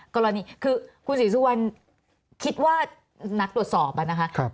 กรณีคือคุณศิษฐวัลคิดว่านักตรวจสอบ